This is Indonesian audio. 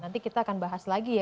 nanti kita akan bahas lagi ya